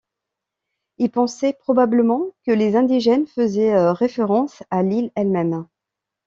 Ils pensaient probablement que les indigènes faisaient référence à l'île elle-même.